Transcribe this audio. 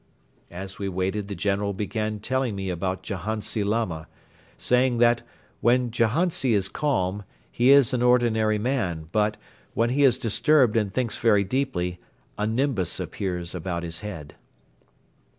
As we waited the General began telling me about Jahantsi Lama, saying that, when Jahantsi is calm, he is an ordinary man but, when he is disturbed and thinks very deeply, a nimbus appears about his head.